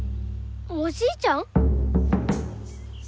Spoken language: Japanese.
おじいちゃん